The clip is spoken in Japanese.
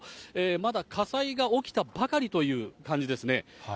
まだ火災が起きたばかりという感じですね。